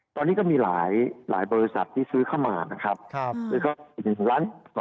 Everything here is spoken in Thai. ตอนนี้ก็มีหลายบริษัทที่ซื้อเข้ามานะครับ